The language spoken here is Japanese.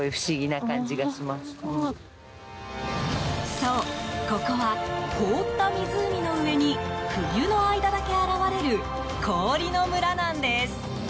そう、ここは凍った湖の上に冬の間だけ現れる氷の村なんです。